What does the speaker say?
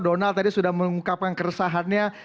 donald tadi sudah mengungkapkan keresahannya